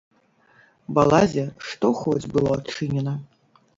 Балазе што хоць было адчынена.